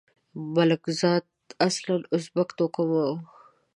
ملکزاد اصلاً ازبک توکمه وو.